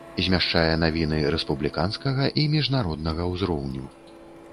Змяшчае навіны рэспубліканскага і міжнароднага ўзроўню.